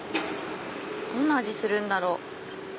どんな味するんだろう？